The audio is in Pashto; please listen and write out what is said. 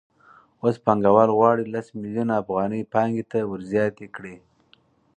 اوس پانګوال غواړي لس میلیونه افغانۍ پانګې ته ورزیاتې کړي